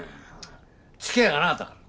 付き合いがなかったから。